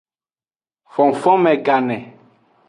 Fonfonme gane.